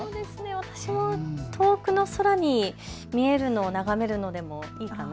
私も遠くの空に見えるのを眺めるのでもいいかな。